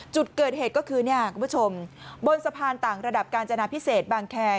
จุดเกิดเหตุก็คือบนสะพานต่างระดับกาญจนาภิเษษบางแคร